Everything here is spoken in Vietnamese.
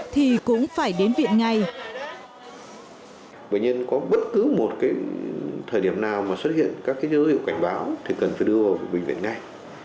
thì cũng phải đến viện ngay